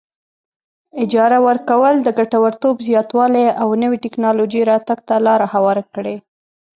اجاره ورکول د ګټورتوب زیاتوالي او نوې ټیکنالوجۍ راتګ ته لار هواره کړي.